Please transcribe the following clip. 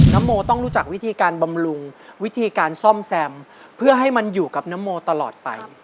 โมต้องรู้จักวิธีการบำรุงวิธีการซ่อมแซมเพื่อให้มันอยู่กับนโมตลอดไป